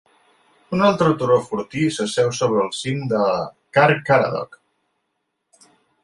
Un altre turó fortí s'asseu sobre el cim de Caer Caradoc.